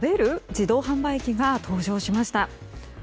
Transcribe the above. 自動販売機が登場しました。